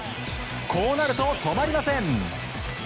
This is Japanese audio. こうなると止まりません。